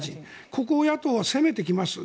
ここを野党は攻めてきます。